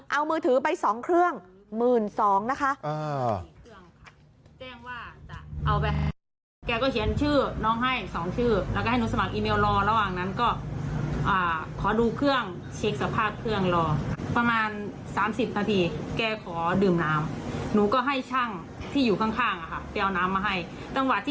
เอามือถือไปสองเครื่องหมื่นสองนะคะอ่า